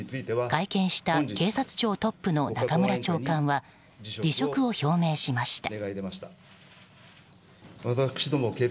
会見した警察庁トップの中村長官は辞職を表明しました。